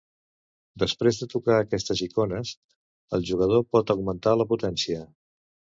Després de tocar aquestes icones, el jugador pot augmentar la potència.